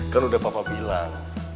kan udah papa bilang